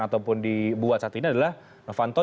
ataupun dibuat saat ini adalah novanto